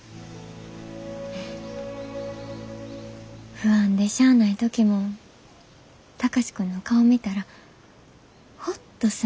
不安でしゃあない時も貴司君の顔見たらホッとすんねん。